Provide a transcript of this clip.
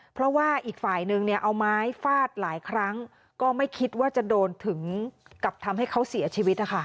เพราะว่าอีกฝ่ายนึงเนี่ยเอาไม้ฟาดหลายครั้งก็ไม่คิดว่าจะโดนถึงกับทำให้เขาเสียชีวิตนะคะ